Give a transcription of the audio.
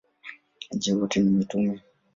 Je, wote ni mitume?